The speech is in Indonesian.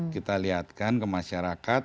kita lihatkan ke masyarakat